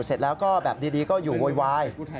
เสร็จแล้วก็แบบดีก็อยู่โวยวาย